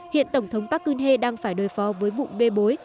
hiện tổng thống park geun hye đang phải đối phó với vụ bê bối